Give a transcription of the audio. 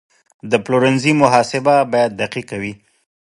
د پلورنځي محاسبه باید دقیقه وي.